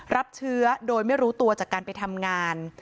รับเชื้อโดยไม่รู้ตัวจากการไปทำงาน